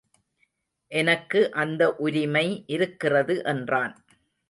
எனக்கு அந்த உரிமை இருக்கிறது என்றான்.